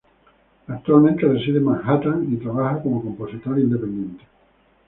Actualmente reside en Manhattan y trabaja como compositor independiente.